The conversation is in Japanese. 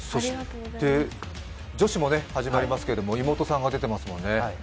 女子も始まりますけれども、妹さんが出てますもんね。